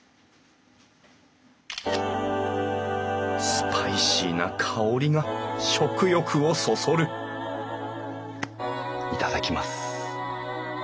スパイシーな香りが食欲をそそる頂きます。